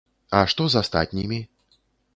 А што з астатнімі?